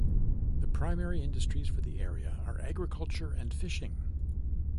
The primary industries for the area are agriculture and fishing.